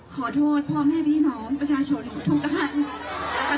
ขอโทษพ่อแม่พี่น้องประชาชนทุกท่านนะคะ